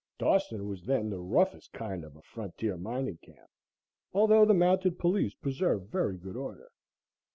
Dawson was then the roughest kind of a frontier mining camp, although the mounted police preserved very good order.